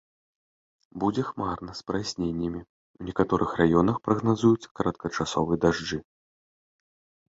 Будзе хмарна з праясненнямі, у некаторых раёнах прагназуюцца кароткачасовыя дажджы.